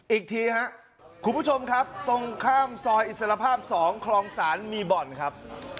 อีกทีครับคุณผู้ชมครับตรงข้ามซอยอิสระภาพ๒คลองศาลมีบ่อนครับ